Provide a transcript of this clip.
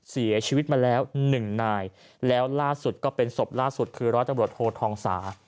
เสียชีวิตมาแล้วหนึ่งนายแล้วล่าสุดก็เป็นศพล่าสุดคือร้อยตำรวจโททองสา